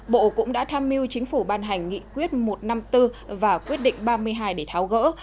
bộ cũng đã tham mưu chính phủ ban hành nghị quyết một trăm năm mươi bốn và quyết định ba mươi hai để tháo gỡ